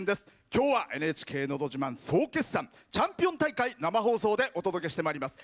きょうは「ＮＨＫのど自慢」総決算「チャンピオン大会」生放送でお届けしてまいります。